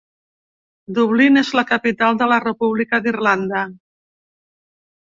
Dublin és la capital de la República d"Irlanda.